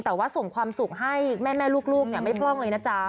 แต่ว่าส่งความสุขให้แม่ลูกไม่พร่องเลยนะจ๊ะ